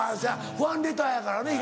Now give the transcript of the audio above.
ファンレターやからね東野は。